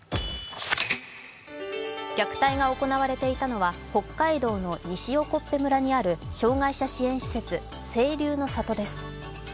虐待が行われていたのは北海道の西興部村にある障害者支援施設清流の里です。